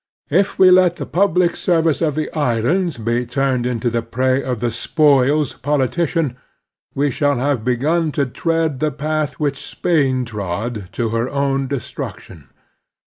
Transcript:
If we let the public service of the islands be turned into the prey of the spoils politician, we shall have begun to tread the path which Spain trod to her own destruction.